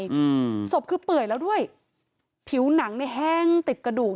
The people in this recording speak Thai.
อืมศพคือเปื่อยแล้วด้วยผิวหนังเนี่ยแห้งติดกระดูก